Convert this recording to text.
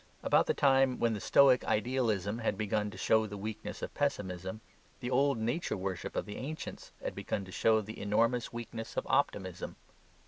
About the time when the Stoic idealism had begun to show the weaknesses of pessimism, the old nature worship of the ancients had begun to show the enormous weaknesses of optimism.